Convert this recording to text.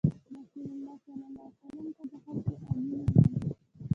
رسول الله ﷺ ته به خلکو “امین” ویل.